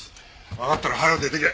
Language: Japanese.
わかったら早よ出ていけ。